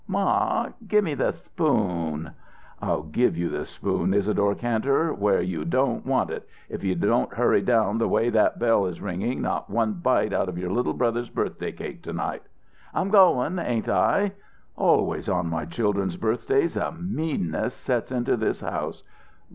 "Ma, gimme the spoon?" "I'll give you the spoon, Isadore Kantor, where you don't want it. If you don't hurry down the way that bell is ringing, not one bite out of your little brother's birthday cake to night!" "I'm goin', ain't I?" "Always on my children's birthdays a meanness sets into this house!